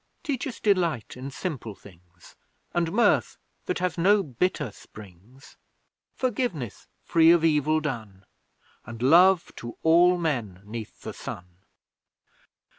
Teach us Delight in simple things, And Mirth that has no bitter springs; Forgiveness free of evil done, And Love to all men 'neath the sun!